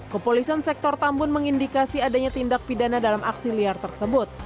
kepolisian sektor tambun mengindikasi adanya tindak pidana dalam aksi liar tersebut